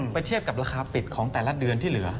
เทียบกับราคาปิดของแต่ละเดือนที่เหลือ